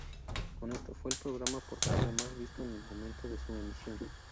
Con esto, fue el programa por cable más visto al momento de su emisión.